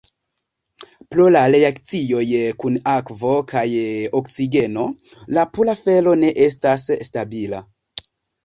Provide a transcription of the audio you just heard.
Pro la reakcioj kun akvo kaj oksigeno, la pura fero ne estas stabila.